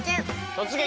「突撃！